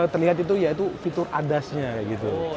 terlihat itu ya itu fitur adas nya kayak gitu